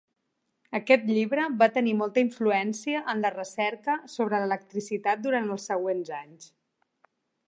Aquest llibre va tenir molta influència en la recerca sobre l'electricitat durant els següents anys.